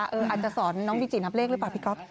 อาจจะสอนน้องบีจินับเลขหรือเปล่าพี่ก๊อฟ